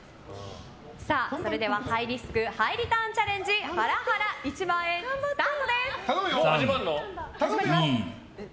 それではハイリスクハイリターンチャレンジハラハラ１万円スタートです！